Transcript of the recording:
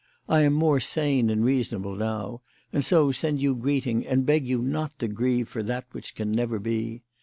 I am more sane and reasonable now, and so send you greeting and beg you not to grieve for that which can never be.